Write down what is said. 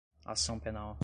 ação penal